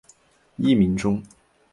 艺名中。